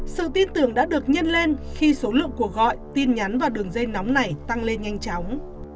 sự tin tưởng đã được nhân lên khi số lượng cuộc gọi tin nhắn vào đường dây nóng này tăng lên nhanh chóng